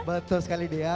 betul sekali dya